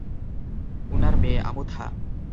উনার মেয়ে, আমুথা?